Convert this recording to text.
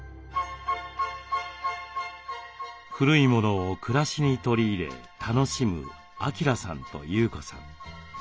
古いものを暮らしに取り入れ楽しむ晃さんと優子さん。